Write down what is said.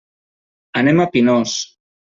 Anem a Pinós.